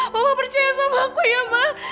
mama percaya sama aku ya ma